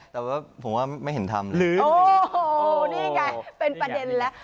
แต่ว่าผมว่าไม่เห็นทำหรือโอ้โหนี่ไงเป็นประเด็นแล้ว